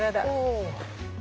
お。